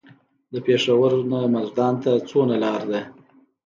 د پېښور نه مردان ته څومره لار ده؟